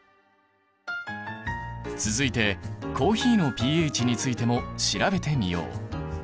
続いてコーヒーのｐＨについても調べてみよう！